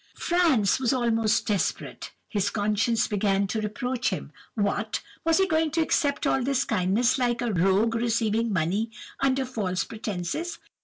"Franz was almost desperate. His conscience began to reproach him. What! was he going to accept all this kindness, like a rogue receiving money under false pretences?